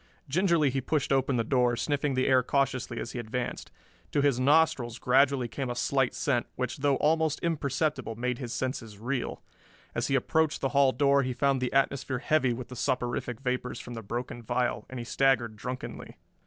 Gingerly he pushed open the door, sniffing the air cautiously as he advanced. To his nostrils gradually came a slight scent, which though almost imperceptible made his senses reel. As he approached the hall door he found the atmosphere heavy with the soporific vapors from the broken vial, and he staggered drunkenly.